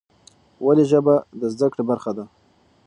ولې ژبه د زده کړې برخه ده؟